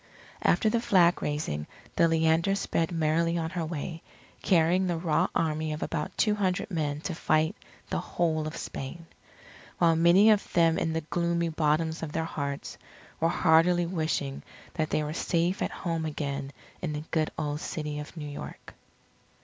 After the flag raising the Leander sped merrily on her way, carrying the raw army of about two hundred men to fight the whole of Spain. While many of them in the gloomy bottoms of their hearts, were heartily wishing that they were safe at home again in the good old City of New York.